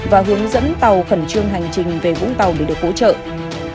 và hướng dẫn tàu khẩn trương hành trình về vũng tàu để được hỗ trợ